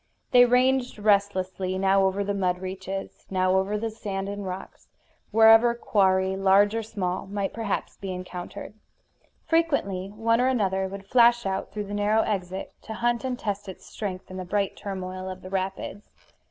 They ranged restlessly, now over the mud reaches, now over the sand and rocks, wherever quarry, large or small, might perhaps be encountered. Frequently one or another would flash out through the narrow exit, to hunt and test its strength in the bright turmoil of the rapids.